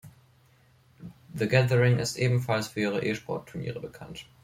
The Gathering ist ebenfalls für ihre E-Sport-Turniere bekannt.